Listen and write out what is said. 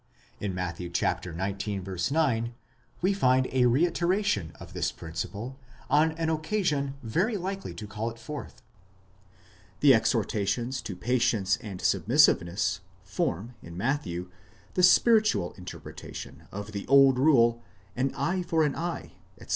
In Matt. xix. 9, we find a reiteration of this principle on an occasion very likely to call it forth, The exhortations to patience and submissiveness, form, in Matthew, the spiritual interpretation of the old rule, az eye for an eye, etc.